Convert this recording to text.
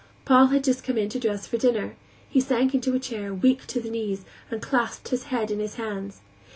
Paul had just come in to dress for dinner; he sank into a chair, weak to the knees, and clasped his head in his hands.